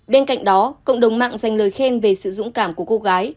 bên cạnh đó cộng đồng mạng dành lời khen về sự dũng cảm của cô gái